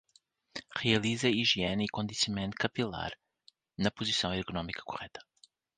Realiza higiene e condicionamento capilar na posição ergonômica correta.